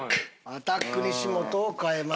アタック西本を替えます。